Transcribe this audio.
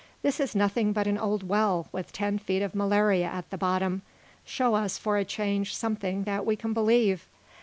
This is nothing but an old well, with ten feet of malaria at the bottom. Show us, for a change, something that we can believe."